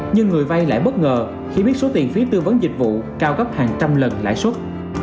nhưng người vay lại bất ngờ khi biết số tiền phí tư vấn dịch vụ cao gấp hàng trăm lần lãi suất